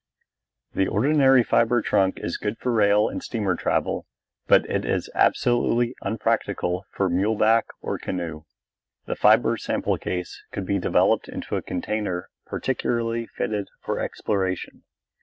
The ordinary fibre trunk is good for rail and steamer travel, but it is absolutely unpractical for mule back or canoe. The fibre sample case could be developed into a container particularly fitted for exploration.